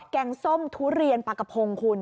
งส้มทุเรียนปลากระพงคุณ